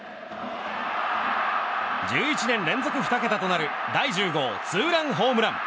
１１年連続２桁となる第１０号ツーランホームラン。